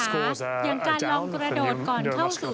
ภูมิใส่การควบคุมของนังกฤษ